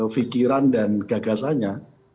pikiran dan gagasanya